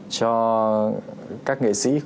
cho các nghệ sĩ